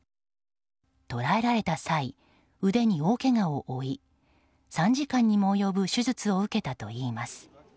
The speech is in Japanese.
捕らえられた際腕に大けがを負い３時間にも及ぶ手術を受けたといいます。